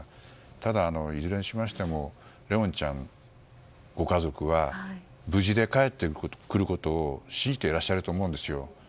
ただ、いずれにしましても怜音ちゃんご家族は無事で帰ってくることを信じてらっしゃると思うんですよ。